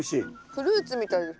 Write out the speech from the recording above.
フルーツみたいです。